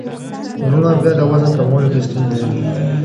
وروڼه بیا د وزن کمولو کې ستونزه لري.